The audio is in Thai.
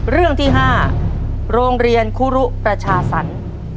เรื่องที่๕โรงเรียนคุรุประชาสรรค์